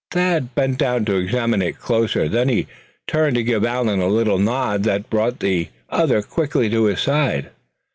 Thad bent down to examine closer. Then he turned to give Allan a little nod that brought the other quickly to his side.